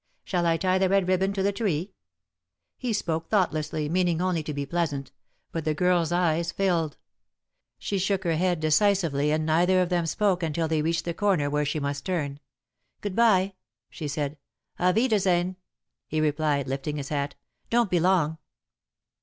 Shall I tie the red ribbon to the tree?" He spoke thoughtlessly, meaning only to be pleasant, but the girl's eyes filled. She shook her head decisively and neither of them spoke until they reached the corner where she must turn. [Sidenote: Waiting for Rosemary] "Good bye," she said. "Auf wiedersehen," he replied, lifting his hat. "Don't be long."